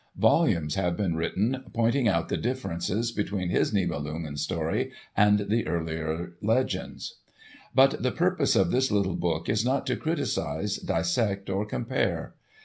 Volumes have been written pointing out the differences between his Nibelung story and the earlier legends. But the purpose of this little book is not to criticise, dissect, or compare.